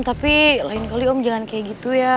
tapi lain kali om jangan kayak gitu ya